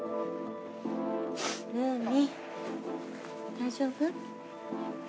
大丈夫？